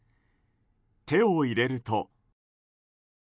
手を入れると。